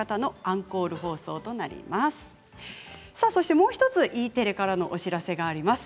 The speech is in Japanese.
そしてもう１つＥテレからのお知らせがあります。